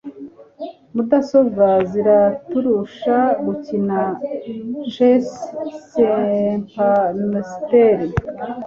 Mudasobwa ziraturusha gukina chess. (Spamster)